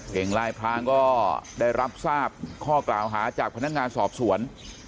เก่งลายพรางก็ได้รับทราบข้อกล่าวหาจากพนักงานสอบสวน